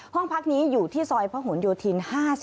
ห้องพักนี้อยู่ที่ซอยพระหลโยธิน๕๔